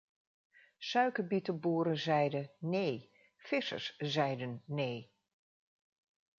Suikerbietenboeren zeiden "nee”, vissers zeiden "nee”.